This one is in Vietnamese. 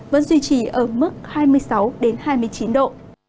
vẫn duy trì ở mức hai mươi sáu hai mươi chín độ